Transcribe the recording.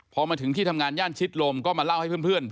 พอมาถึงที่ทำงานย่านชิดลมก็มาเล่าให้เพื่อน